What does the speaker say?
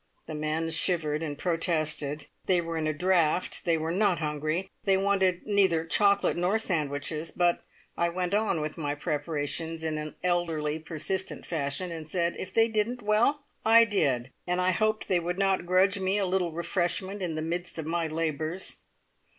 The men shivered and protested. They were in a draught; they were not hungry; they wanted neither chocolate nor sandwiches; but I went on with my preparations in an elderly, persistent fashion, and said if they didn't well, I did, and I hoped they would not grudge me a little refreshment in the midst of my labours.